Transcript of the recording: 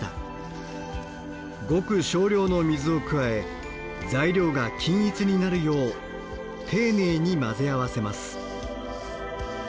ごく少量の水を加え材料が均一になるよう丁寧に混ぜ合わせます。